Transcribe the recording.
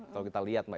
kalau kita lihat